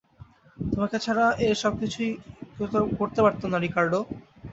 তোমাকে ছাড়া এর সব কিছুই করতে পারতাম না, রিকার্ডো।